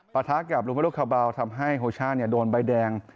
ปะทะกับลุมิโรคคาวเบาทำให้โรช่าโดนใบแดง